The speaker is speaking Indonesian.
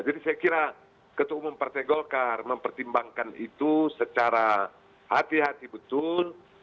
saya kira ketua umum partai golkar mempertimbangkan itu secara hati hati betul